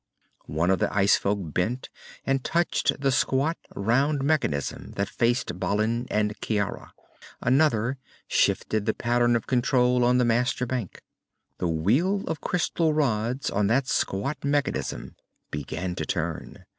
One of the ice folk bent and touched the squat, round mechanism that faced Balin and Ciara. Another shifted the pattern of control on the master bank. The wheel of crystal rods on that squat mechanism began to turn.